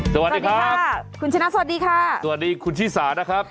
สวัสดีครับคุณชนะสวัสดีค่ะสวัสดีคุณชิสานะครับ